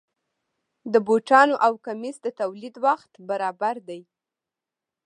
د بوټانو او کمیس د تولید وخت برابر دی.